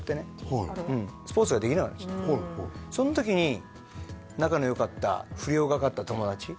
はいスポーツができなくなっちゃったその時に仲のよかった不良がかった友達